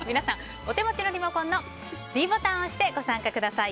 お手持ちのリモコンのｄボタンを押して投票にご参加ください。